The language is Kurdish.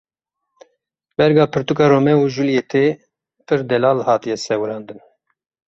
Berga pirtûka Romeo û Julîetê pir delal hatiye sêwirandin.